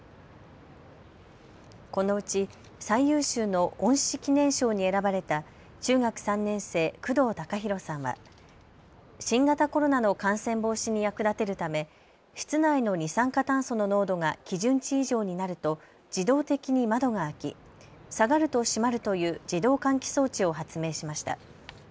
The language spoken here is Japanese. このうち最優秀の恩賜記念賞に選ばれた中学３年生、工藤貴博さんは新型コロナの感染防止に役立てるため室内の二酸化炭素の濃度が基準値以上になると自動的に窓が開き、下がると閉まるという自動換気装置を発明しました。